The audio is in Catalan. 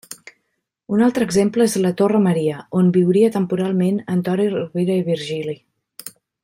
Un altre exemple és la Torre Maria, on viuria temporalment Antoni Rovira i Virgili.